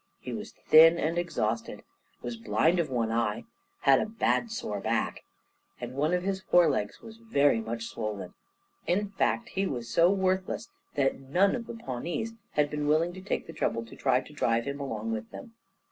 He was thin and exhausted, was blind of one eye, had a bad sore back, and one of his forelegs was very much swollen. In fact, he was so worthless that none of the Pawnees had been willing to take the trouble to try to drive him along with them.